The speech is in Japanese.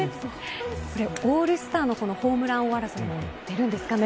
オールスターのホームラン王争いも出るんですかね。